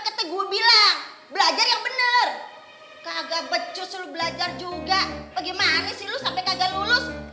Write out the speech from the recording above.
kate gua bilang belajar yang bener kagak becus lu belajar juga bagaimana sih lu sampai kagak lulus